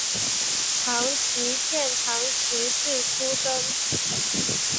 长崎县长崎市出身。